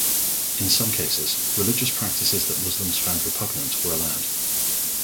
In some cases, religious practices that Muslims found repugnant were allowed.